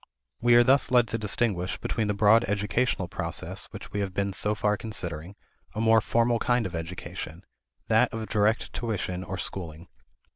We are thus led to distinguish, within the broad educational process which we have been so far considering, a more formal kind of education that of direct tuition or schooling.